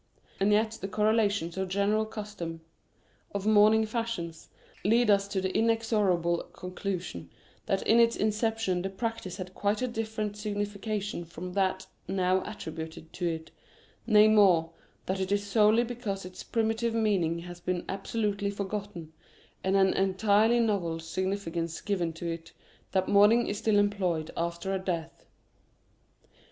And yet the corre lations of general custom — of mourning fashions, lead us to the inexorable conclusion that in its inception the practice had quite a different significa tion from that now attributed to it, nay more, that it is solely because its primitive meaning has been absolutely forgotten, and an entirely novel significance given to it, that mourning is still employed after a death.